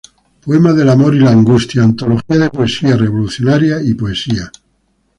Poema del amor y la angustia", "Antología de poesía revolucionaria" y "Poesía".